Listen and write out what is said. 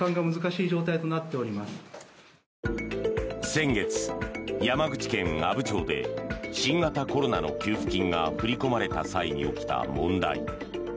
先月、山口県阿武町で新型コロナの給付金が振り込まれた際に起きた問題。